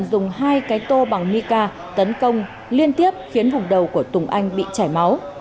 dùng hai cái tô bằng nica tấn công liên tiếp khiến vùng đầu của tùng anh bị chảy máu